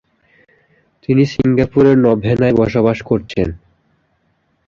তিনি সিঙ্গাপুরের নভেনায় বসবাস করছেন।